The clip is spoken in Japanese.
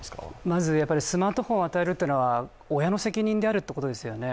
まずスマートフォンを与えるというのは親の責任であるということですよね。